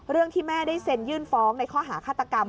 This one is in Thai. ที่แม่ได้เซ็นยื่นฟ้องในข้อหาฆาตกรรม